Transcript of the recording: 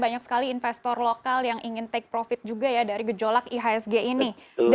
banyak sekali investor lokal yang ingin take profit juga ya dari gejolak ihsg ini